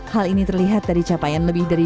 hal ini terlihat dari capaian lebih dari